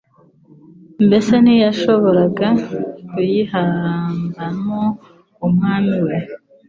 Mbese ntiyashoboraga kuyihambamo Umwami we?